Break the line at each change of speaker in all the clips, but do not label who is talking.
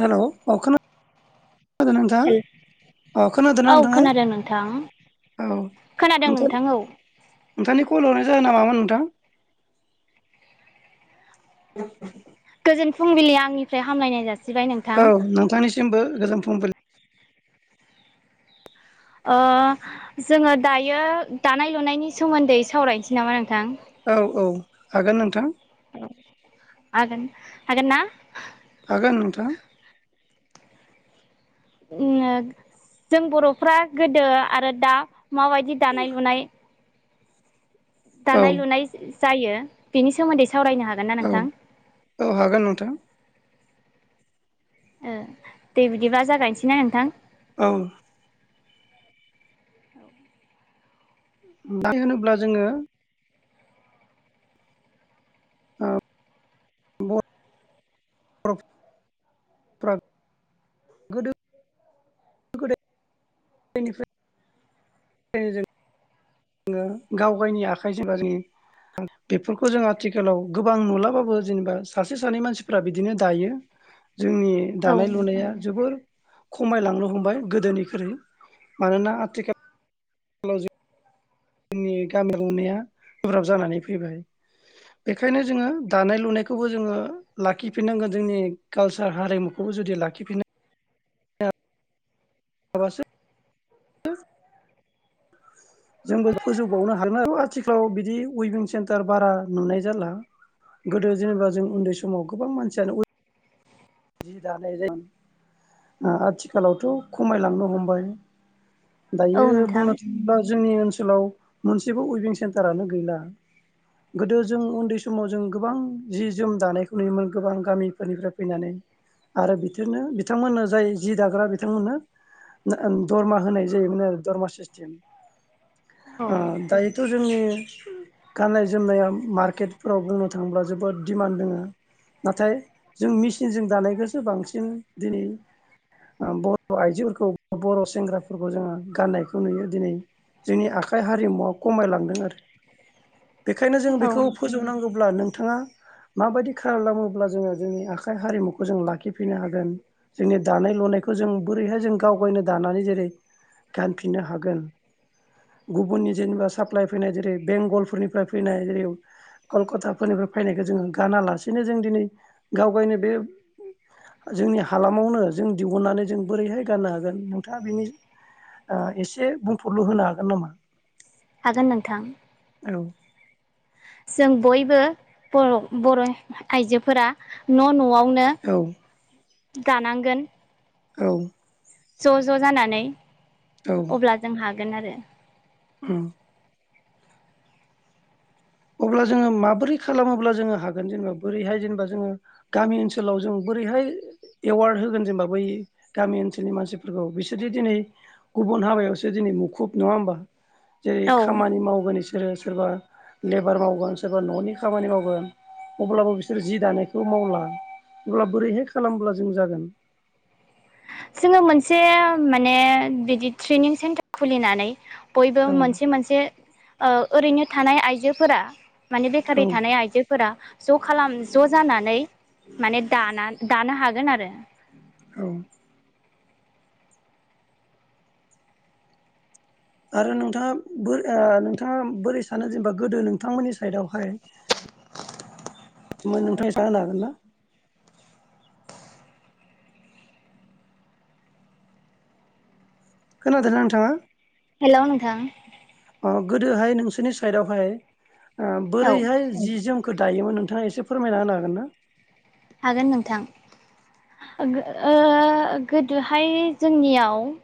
हेल' अ खोनादोंना नोंथां?
हेल
अ खोनादोंना
औ खोनादों नोंथां
नोंथाङा औ
खोनादों
नोंथा।
नोंथां औ
नोंथांनि कल हरनाय जाहोना मामोन नोंथां?
जोन फुंबिलि आंनिफ्राय हामलायनाय जासि
औ नोंथांनिसिमबो गोजोन फुंबिलि।
ओ जोंङो दायो दानाय लुनायनि सोमोन्दै सावरायनोसै नाम नों?
औ औ हागोन नोंथां।
हागोन हागोन ना?
हागोन नोंथां
जों बर'फ्रा गोदो आरो दा। माबायदि दानाय लुनाय।
औ
दानाय लुनाय जायो बिनि सोमोन्दै स सावरायनो हागोन ना नोंथां?
औ हागोन नोंथां
ओ दे बिदिबा जागायनोसैना नोंथां?
औ मदि होनोब्ला जोङो [unintelligible] ओ र [unintelligible] [unintelligible] गोदो गोदाय निफ्राय [unintelligible] गाव गावनि आखाइ [unintelligible] बेफोरखौ जों आथिखालाव गोबां नुलाबाबो जेनेबा सासे सानै मानसिफ्रा बिदिनो दायो। जोंनि
औ
दानाय लुनाया जोबोर खमायलांनो हमबाय गोदोनिख्रुइ मानोना आथिखाल [unintelligible] जोंनि गामि [unintelligible] गोब्राब जानानै फैबाय बेखायनो जोङो दानाय लुनायखौबो जोङो लाखिफिननांगोन जोंनि कालसार हारिमुखौ। जुदि लाखिफिनो। [unintelligible] जोंबो फोजोबबावनो हागोन [unintelligible] आथिखालाव बिदि उइभिं सेन्टार बारा नुनाय जाला। गोदो जेनेबा जों उन्दै समाव गोबां मानसियानो जि दानाय [unintelligible] आथिखालावथ' खमायलांनो हमबाय
औ
दायो
नोंथां
बुंनो थाङोब्ला। जोंनि ओनसोलाव मोनसेबो उइभिं सेन्टारानो गैला। गोदो जों उन्दै समाव जों गोबां जि जोम दानायखौ नुयोमोन गोबां गामिफोरनिफ्राय फैनानै। आरो बिदिनो बिथांमोननो जाय जि दाग्रा बिथांमोननो दरमा होनाय जायोमोन आरो दरमा सिस्टेम।
औ
दायोथ' जोंनि गाननाय जोमनाया मार्केटफोराव बुंनो थाङोब्ला जोबोद दिमान्ड दोङो। नाथाय जों मेचिनजों दानायखौसो बांसिन दिनै बर' आइजोफोरखौ बर' सेंग्राफोरखौ जोङो गाननायखौ नुयो दिनै। जोंनि आखाइ हारिमुवा खमायलांदों आरो।
[inaudible]
बेखायनो जों बेखौ
नोंथां
फोजोबनांगौब्ला नोंथाङा माबायदि खालामोब्ला जोङो जोंनि आखाइ हारिमु खौ जों लाखिफिननो हागोन जोंनि दानाय लुनायखौ जों बोरैहाय जों गावगायनो दानानै जेरै गानफिननो हागोन। गुबुननि जेनेबा साप्लाइ फैनाय जेरै बेंगलफोरनिफ्राय फैनाय जेरै कलकाताफोरनिफ्राय फैनायखौ जोङो गानालासेनो जों दिनै गाव गावनो बे जोंनि हालामावनो जों दिहुननानै जों बोरैहाय गाननो हागोन नोंथाङा बेनि एसे बुंफोरल' होनो हागोन नामा?
हागोन नोंथां।
औ
जों बयबो बर' आइजोफोरा न' न'आव
औ
दानांगोन।
औ
ज' ज' जानानै
औ
अब्ला जों हागोन आरो।
उम अब्ला जोङो माबोरै खालामोब्ला जोङो हागोन जेनेबा बोरैहाय जेनेबा जोङो गामि ओनसोलाव जों। बोरैहाय? एवार्ड होगोन जेनेबा बै गामि ओनसोलनि मानसिफोरखौ बिसोरदि दिनै गुबुन हाबायावसो दिनै मुखुब नङा होमबा जेरै
औ
खामानि मावगोन बिसोरो सोरबा लेबार मावगोन सोरबा न'नि खामानि मावगोन अब्लाबो बिसोर जि दानायखौ मावला। अब्ला बोरैहाय खालामब्ला जों जागोन
[inaudible] जोङो मोनसे माने बिदि ट्रेनिं सेन्टार खुलिनानै। बयबो
औ
मोनसे मोनसे ओरैनो थानाय आइजोफोरा माने
औ
बेखारै थानाय आइजोफोरा ज' खालाम ज' जानानै। माने दाना दानो हागोन आरो
औ आरो नोंथाङा बोरै ओ नोंथाङा बोरै सानो जेनेबा गोदो नोंथांमोननि साइदआवहाय
[inaudible]
नोंथांङा एस होननो हागोन ना? खोनादों ना नोंथाङा?
हेल' नोंथां।
अ गोदोहाय नोंसोरनि साइदावहाय ओ
औ
बोरैहाय जि-जोम फोर दायोमोन नोंथाङा एसे फोरमायना होनो हागोन ना
हागोन नोंथां। ओ गोदोहाय जोंनियाव [inaudible]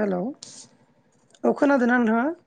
हेलौ औ खोनादोंना नोंथाङा? [inaudible]